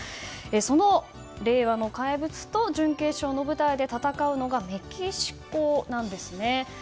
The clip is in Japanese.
その令和の怪物と準決勝の舞台で戦うのがメキシコなんですね。